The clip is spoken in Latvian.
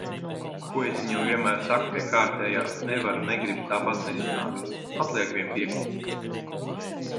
Ko es viņam vienmēr saku pie kārtējā "nevaru, negribu, tāpat nesanāks". Atliek vien piekrist.